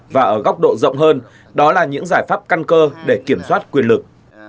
và ở góc độ rộng hơn đó là những giải pháp căn cơ để kiểm soát quyền lực